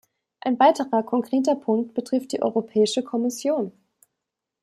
Ein weiterer konkreter Punkt betrifft die Europäische Kommission.